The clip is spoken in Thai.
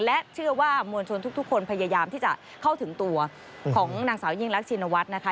และเชื่อว่ามวลชนทุกคนพยายามที่จะเข้าถึงตัวของนางสาวยิ่งรักชินวัฒน์นะคะ